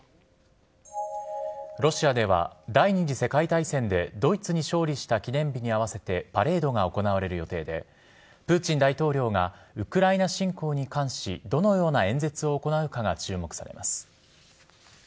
ロシアでは、第２次世界大戦でドイツに勝利した記念日に合わせてパレードが行われる予定で、プーチン大統領がウクライナ侵攻に関し、どのような演説を行うかが注目されます。